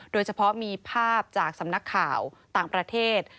โดยเฉพาะมีภาพจากสำนักข่าวต่างประเทศ